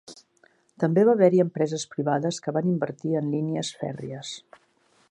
També va haver-hi empreses privades que van invertir en línies fèrries.